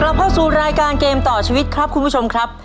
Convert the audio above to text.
เราเข้าสู่รายการเกมต่อชีวิตครับคุณผู้ชมครับ